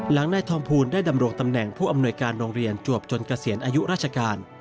นายทองภูลได้ดำรงตำแหน่งผู้อำนวยการโรงเรียนจวบจนเกษียณอายุราชการ